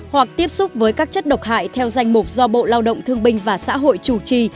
hoặc tiếp xúc với các chất độc hại theo danh mục do bộ lao động thương binh và xã hội chủ trì